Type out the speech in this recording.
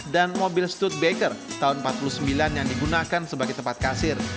dan mobil studebaker tahun empat puluh sembilan yang digunakan sebagai tempat kasir